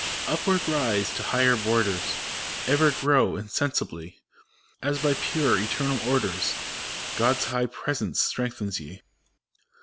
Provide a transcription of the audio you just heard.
Upward rise to higher borders ! Ever grow, insensibly, As, by pure, eternal orders, God's high Presence strengthens ye!